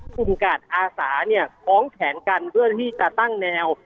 กลุ่มกาศาสตร์ฟ้องแขนกันเพื่อที่จะตั้งแนว